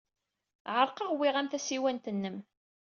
Ɛerqeɣ, uwyeɣ-am tasiwant-nnem.